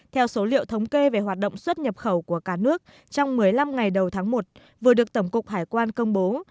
theo số liệu thống kê về hoạt động xuất nhập khẩu của cả nước trong một mươi năm ngày đầu tháng một vừa được tổng cục hải quan công bố